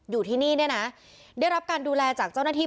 อยู่ที่นี่เนี่ยนะได้รับการดูแลจากเจ้าหน้าที่